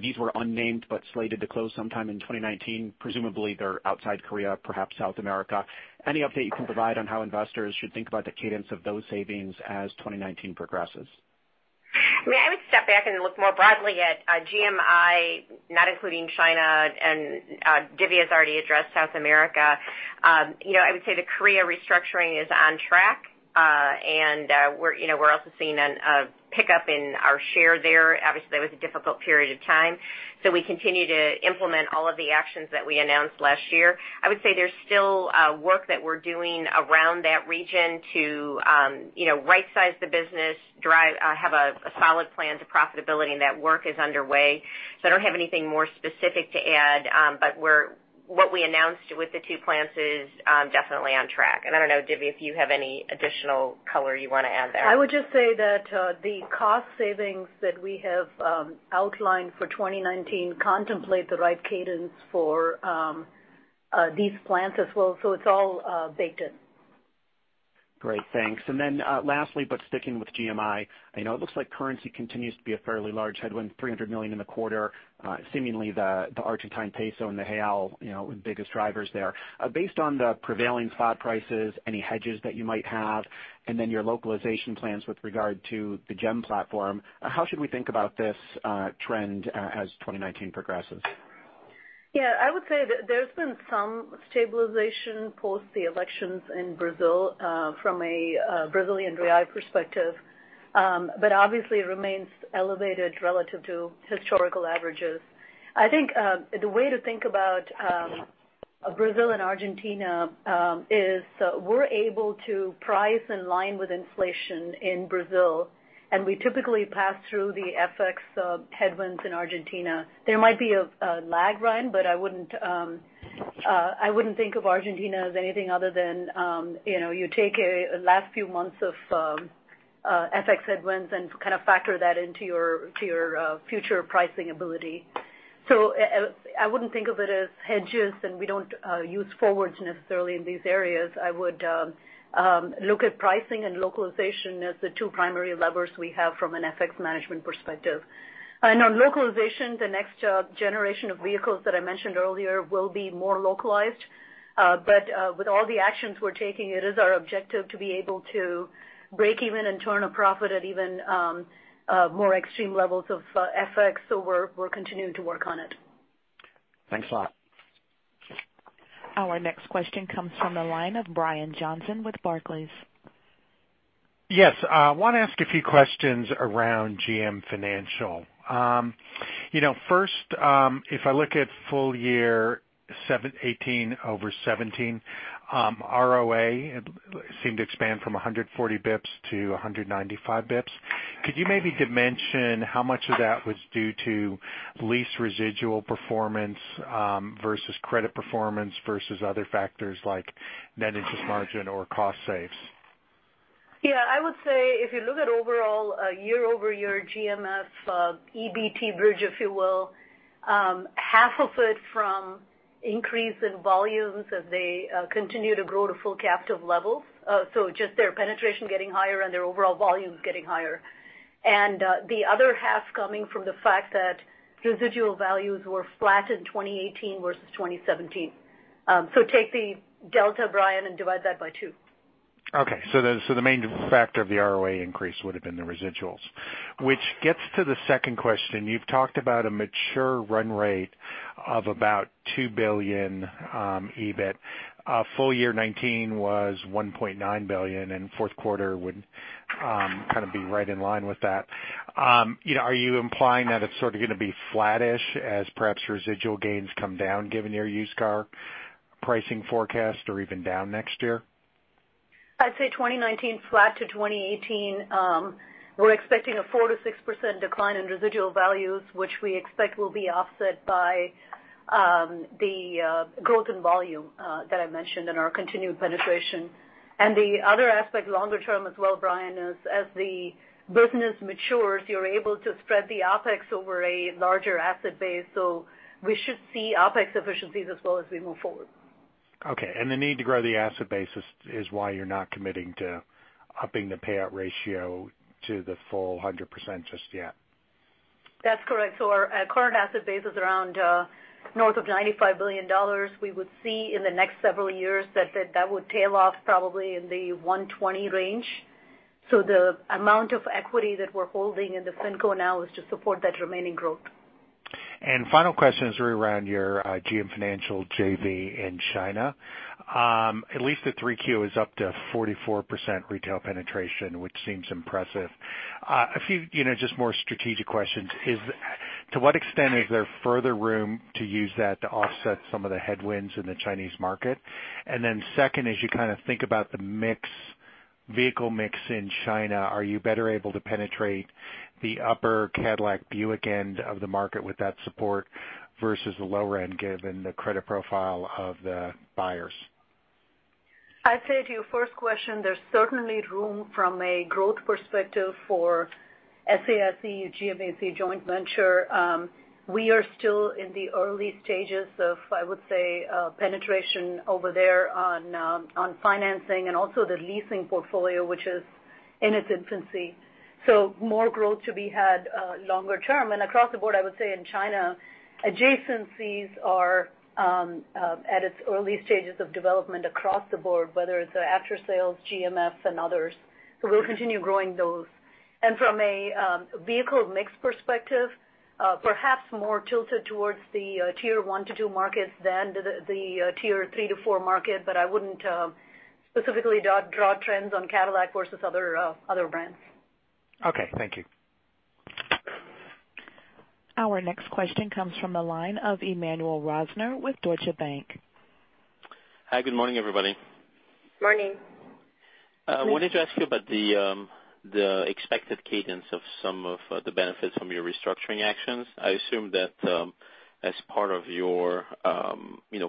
These were unnamed but slated to close sometime in 2019. Presumably they're outside Korea, perhaps South America. Any update you can provide on how investors should think about the cadence of those savings as 2019 progresses? I would step back and look more broadly at GMI, not including China, and Dhivya's already addressed South America. I would say the Korea restructuring is on track, and we're also seeing a pickup in our share there. Obviously, that was a difficult period of time. We continue to implement all of the actions that we announced last year. I would say there's still work that we're doing around that region to right-size the business, have a solid plan to profitability, and that work is underway. I don't have anything more specific to add. What we announced with the two plants is definitely on track. I don't know, Dhivya, if you have any additional color you want to add there. I would just say that the cost savings that we have outlined for 2019 contemplate the right cadence for these plants as well, so it's all baked in. Great. Thanks. Lastly, but sticking with GMI, I know it looks like currency continues to be a fairly large headwind, $300 million in the quarter, seemingly the Argentine peso and the real, the biggest drivers there. Based on the prevailing spot prices, any hedges that you might have, and then your localization plans with regard to the GEM platform, how should we think about this trend as 2019 progresses? I would say that there's been some stabilization post the elections in Brazil from a Brazilian real perspective. Obviously, it remains elevated relative to historical averages. I think the way to think about Brazil and Argentina is we're able to price in line with inflation in Brazil, and we typically pass through the FX headwinds in Argentina. There might be a lag, Ryan, but I wouldn't think of Argentina as anything other than you take a last few months of FX headwinds and kind of factor that into your future pricing ability. I wouldn't think of it as hedges, and we don't use forwards necessarily in these areas. I would look at pricing and localization as the two primary levers we have from an FX management perspective. On localization, the next generation of vehicles that I mentioned earlier will be more localized. With all the actions we're taking, it is our objective to be able to break even and turn a profit at even more extreme levels of FX. We're continuing to work on it. Thanks a lot. Our next question comes from the line of Brian Johnson with Barclays. Yes. I want to ask a few questions around GM Financial. First, if I look at full year 2018 over 2017, ROA seemed to expand from 140 basis points-195 basis points. Could you maybe dimension how much of that was due to lease residual performance versus credit performance versus other factors like net interest margin or cost saves? Yeah, I would say if you look at overall year-over-year GMF EBT bridge, if you will, half of it from increase in volumes as they continue to grow to full captive levels. Just their penetration getting higher and their overall volumes getting higher. The other half coming from the fact that residual values were flat in 2018 versus 2017. Take the delta, Brian, and divide that by two. The main factor of the ROA increase would've been the residuals. Which gets to the second question. You've talked about a mature run rate of about $2 billion EBIT. Full year 2019 was $1.9 billion, and fourth quarter would kind of be right in line with that. Are you implying that it's sort of going to be flattish as perhaps residual gains come down given your used car pricing forecast, or even down next year? I'd say 2019 flat to 2018. We're expecting a 4%-6% decline in residual values, which we expect will be offset by the growth in volume that I mentioned and our continued penetration. The other aspect longer term as well, Brian, is as the business matures, you're able to spread the OpEx over a larger asset base. We should see OpEx efficiencies as well as we move forward. Okay, the need to grow the asset base is why you're not committing to upping the payout ratio to the full 100% just yet. That's correct. Our current asset base is around north of $95 billion. We would see in the next several years that that would tail off probably in the $120 billion range. The amount of equity that we're holding in the FinCo now is to support that remaining growth. Final question is around your GM Financial JV in China. At least the 3Q is up to 44% retail penetration, which seems impressive. A few just more strategic questions. To what extent is there further room to use that to offset some of the headwinds in the Chinese market? Second, as you kind of think about the mix, vehicle mix in China, are you better able to penetrate the upper Cadillac, Buick end of the market with that support versus the lower end, given the credit profile of the buyers? I'd say to your first question, there's certainly room from a growth perspective for SAIC-GMAC joint venture. We are still in the early stages of, I would say, penetration over there on financing and also the leasing portfolio, which is in its infancy. More growth to be had longer term. Across the board, I would say in China, adjacencies are at its early stages of development across the board, whether it's aftersales, GMF, and others. We'll continue growing those. From a vehicle mix perspective, perhaps more tilted towards the tier one to two markets than the tier three to four market. I wouldn't specifically draw trends on Cadillac versus other brands. Okay, thank you. Our next question comes from the line of Emmanuel Rosner with Deutsche Bank. Hi, good morning, everybody. Morning. I wanted to ask you about the expected cadence of some of the benefits from your restructuring actions. I assume that as part of your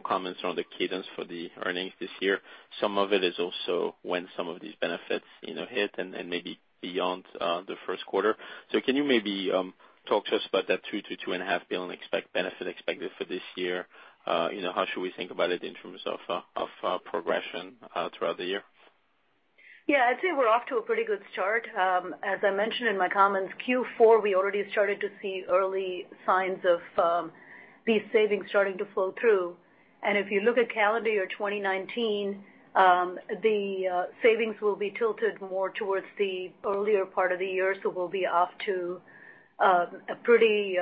comments around the cadence for the earnings this year, some of it is also when some of these benefits hit and maybe beyond the first quarter. Can you maybe talk to us about that $2 billion-$2.5 billion benefit expected for this year? How should we think about it in terms of progression throughout the year? Yeah, I'd say we're off to a pretty good start. As I mentioned in my comments, Q4, we already started to see early signs of these savings starting to flow through. If you look at calendar year 2019, the savings will be tilted more towards the earlier part of the year, we'll be off to a pretty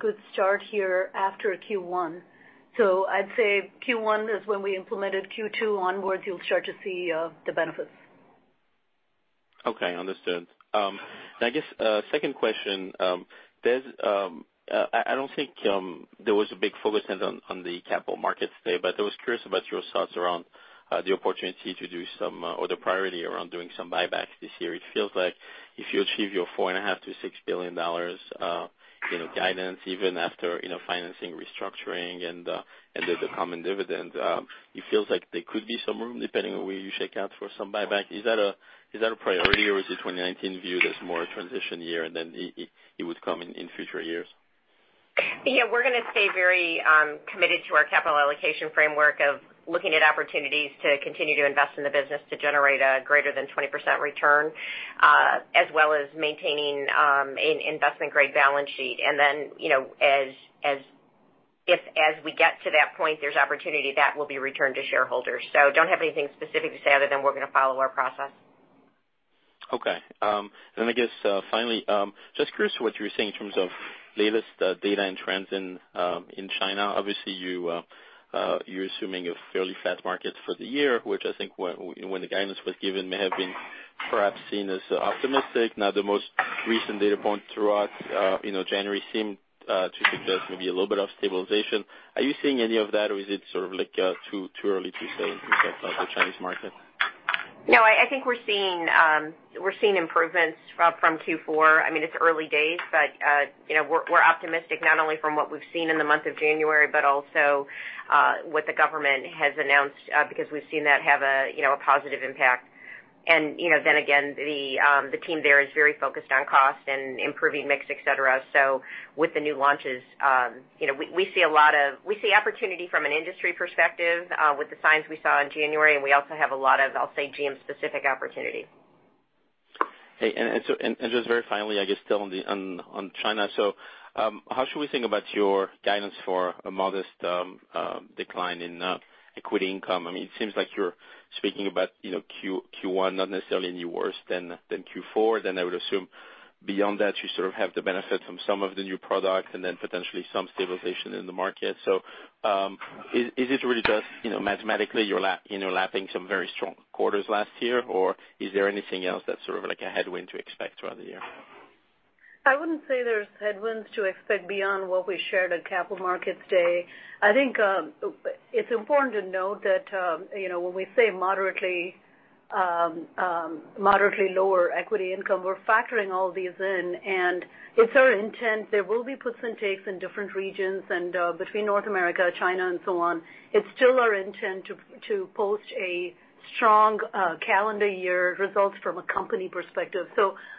good start here after Q1. I'd say Q1 is when we implemented. Q2 onwards, you'll start to see the benefits. Okay, understood. I guess, second question, I don't think there was a big focus on the Capital Markets Day, but I was curious about your thoughts around the opportunity to do some, or the priority around doing some buybacks this year. It feels like if you achieve your $4.5 billion-$6 billion guidance, even after financing, restructuring, and the common dividend, it feels like there could be some room, depending on where you shake out for some buyback. Is that a priority, or is the 2019 view that it's more a transition year and then it would come in future years? We're going to stay very committed to our capital allocation framework of looking at opportunities to continue to invest in the business to generate a greater than 20% return, as well as maintaining an investment-grade balance sheet. If as we get to that point, there's opportunity, that will be returned to shareholders. Don't have anything specific to say other than we're going to follow our process. I guess, finally, just curious what you were saying in terms of latest data and trends in China. Obviously, you're assuming a fairly fast market for the year, which I think when the guidance was given may have been perhaps seen as optimistic. Now, the most recent data point throughout January seemed to suggest maybe a little bit of stabilization. Are you seeing any of that, or is it sort of too early to say in terms of the Chinese market? I think we're seeing improvements from Q4. It's early days, but we're optimistic, not only from what we've seen in the month of January, but also what the government has announced, because we've seen that have a positive impact. The team there is very focused on cost and improving mix, et cetera. With the new launches, we see opportunity from an industry perspective with the signs we saw in January, and we also have a lot of, I'll say, GM-specific opportunity. Just very finally, I guess, still on China. How should we think about your guidance for a modest decline in equity income? It seems like you're speaking about Q1 not necessarily any worse than Q4. I would assume beyond that, you sort of have the benefit from some of the new products and potentially some stabilization in the market. Is it really just mathematically, you're lapping some very strong quarters last year, or is there anything else that's sort of like a headwind to expect throughout the year? I wouldn't say there's headwinds to expect beyond what we shared at Capital Markets Day. I think it's important to note that when we say moderately lower equity income, we're factoring all these in, and it's our intent. There will be puts and takes in different regions and between North America, China, and so on. It's still our intent to post a strong calendar year results from a company perspective.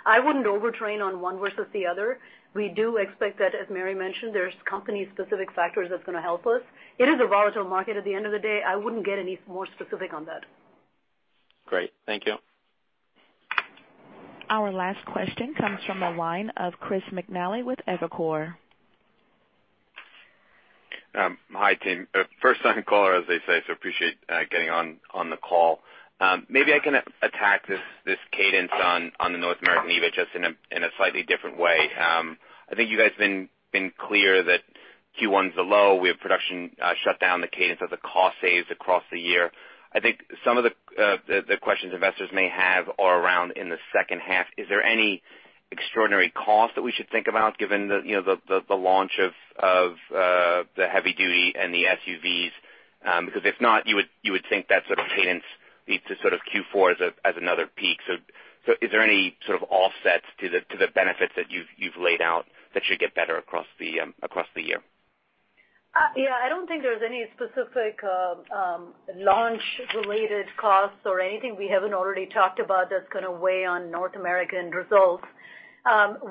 I wouldn't overtrain on one versus the other. We do expect that, as Mary mentioned, there's company-specific factors that's going to help us. It is a volatile market. At the end of the day, I wouldn't get any more specific on that. Great. Thank you. Our last question comes from the line of Chris McNally with Evercore ISI. Hi, team. First time caller, as they say, appreciate getting on the call. Maybe I can attack this cadence on the North American EBIT just in a slightly different way. I think you guys have been clear that Q1's low. We have production shut down, the cadence of the cost saves across the year. I think some of the questions investors may have are around in the second half. Is there any extraordinary cost that we should think about given the launch of the heavy duty and the SUVs? Because if not, you would think that sort of cadence leads to sort of Q4 as another peak. Is there any sort of offsets to the benefits that you've laid out that should get better across the year? I don't think there's any specific launch-related costs or anything we haven't already talked about that's going to weigh on North American results.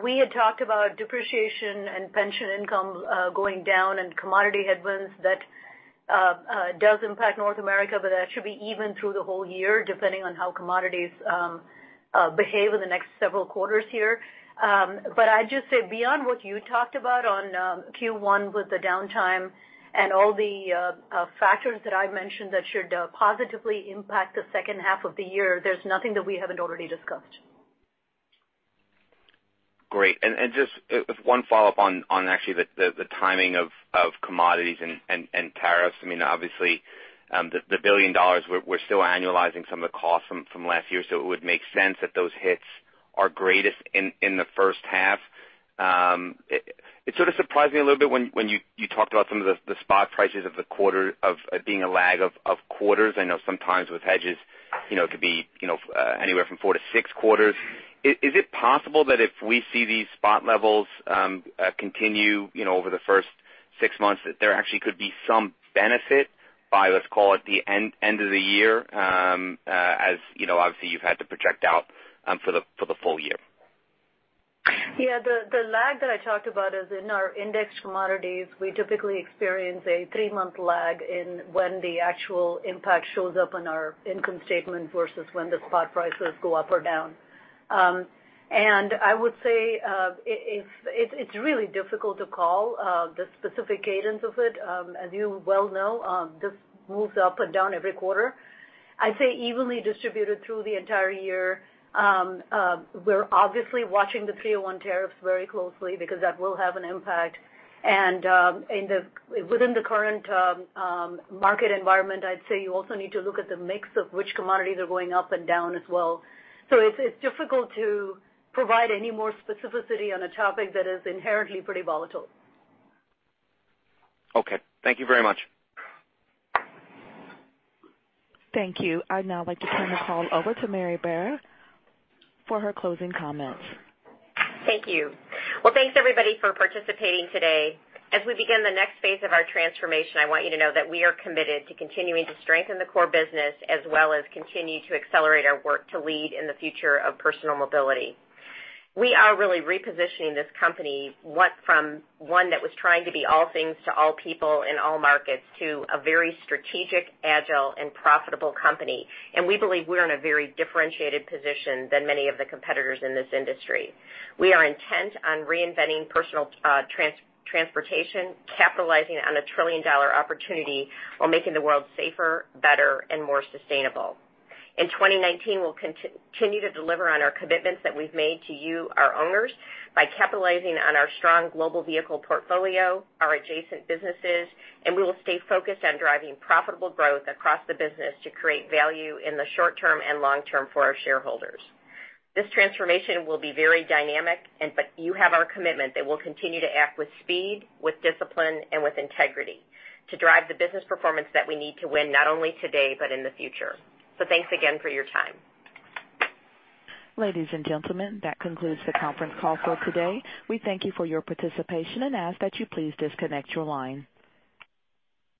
We had talked about depreciation and pension income going down and commodity headwinds that does impact North America, but that should be even through the whole year, depending on how commodities behave in the next several quarters here. I'd just say beyond what you talked about on Q1 with the downtime and all the factors that I've mentioned that should positively impact the second half of the year, there's nothing that we haven't already discussed. Great. Just one follow-up on actually the timing of commodities and tariffs. Obviously, the $1 billion, we're still annualizing some of the costs from last year, so it would make sense that those hits are greatest in the first half. It sort of surprised me a little bit when you talked about some of the spot prices of the quarter being a lag of quarters. I know sometimes with hedges, it could be anywhere from four to six quarters. Is it possible that if we see these spot levels continue over the first six months, that there actually could be some benefit by, let's call it, the end of the year, as obviously you've had to project out for the full year? The lag that I talked about is in our index commodities, we typically experience a three-month lag in when the actual impact shows up on our income statement versus when the spot prices go up or down. I would say, it's really difficult to call the specific cadence of it. As you well know, this moves up and down every quarter. I'd say evenly distributed through the entire year. We're obviously watching the 301 tariffs very closely because that will have an impact. Within the current market environment, I'd say you also need to look at the mix of which commodities are going up and down as well. It's difficult to provide any more specificity on a topic that is inherently pretty volatile. Okay. Thank you very much. Thank you. I'd now like to turn the call over to Mary Barra for her closing comments. Thank you. Well, thanks everybody for participating today. As we begin the next phase of our transformation, I want you to know that we are committed to continuing to strengthen the core business, as well as continue to accelerate our work to lead in the future of personal mobility. We are really repositioning this company from one that was trying to be all things to all people in all markets, to a very strategic, agile, and profitable company. We believe we're in a very differentiated position than many of the competitors in this industry. We are intent on reinventing personal transportation, capitalizing on a trillion-dollar opportunity while making the world safer, better, and more sustainable. In 2019, we'll continue to deliver on our commitments that we've made to you, our owners, by capitalizing on our strong global vehicle portfolio, our adjacent businesses, and we will stay focused on driving profitable growth across the business to create value in the short term and long term for our shareholders. This transformation will be very dynamic, but you have our commitment that we'll continue to act with speed, with discipline, and with integrity to drive the business performance that we need to win, not only today, but in the future. Thanks again for your time. Ladies and gentlemen, that concludes the conference call for today. We thank you for your participation and ask that you please disconnect your line.